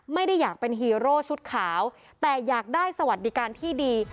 ไม่ได้อยากเป็นฮีโร่ชุดขาวแต่อยากได้สวัสดิการที่ดี